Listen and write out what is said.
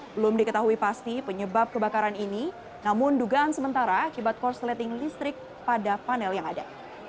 belum diketahui pasti penyebab kebakaran ini namun dugaan sementara akibat korsleting listrik pada panel yang ada